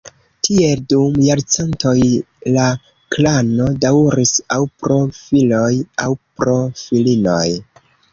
Tiel dum jarcentoj la klano daŭris aŭ pro filoj aŭ pro filinoj.